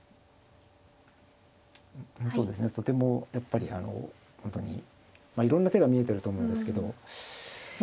そうですねとてもやっぱりあの本当にいろんな手が見えてると思うんですけどまあ